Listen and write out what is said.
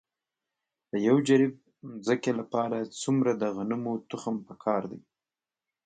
د یو جریب ځمکې لپاره څومره د غنمو تخم پکار دی؟